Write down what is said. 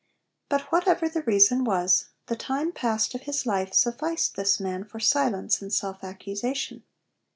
But whatever the reason was, the time past of his life sufficed this man for silence and self accusation.